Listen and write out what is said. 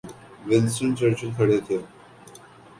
Winston Churchill کھڑے تھے۔